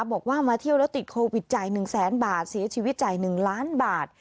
บอกว่ามาเที่ยวแล้วติดโควิดจ่าย๑แสนบาทเสียชีวิตจ่าย๑ล้านบาท